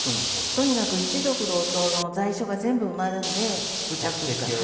とにかく一族郎党の在所が全部埋まるんで。